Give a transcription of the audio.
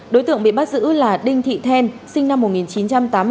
đối tượng bị bắt giữ là đinh thị then sinh năm một nghìn chín trăm tám mươi bốn